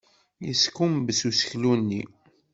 Yeskumbes useklu-nni.